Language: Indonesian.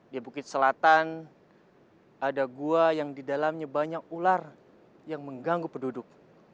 di bukit selatan ada gua yang di dalamnya banyak ular yang mengganggu penduduk